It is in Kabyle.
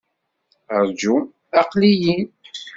Rǧu! Aql-i-in!